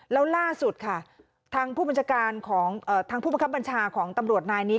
แล้วล่าสุดค่ะทางผู้บัญชาการของทางผู้บังคับบัญชาของตำรวจนายนี้